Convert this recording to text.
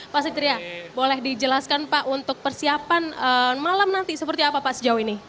pak satria boleh dijelaskan pak untuk persiapan malam nanti seperti apa pak sejauh ini